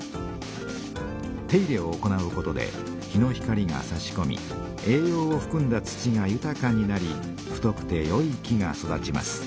手入れを行うことで日の光がさしこみ栄養をふくんだ土がゆたかになり太くてよい木が育ちます。